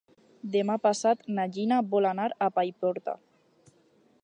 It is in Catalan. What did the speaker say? Demà passat na Gina vol anar a Paiporta.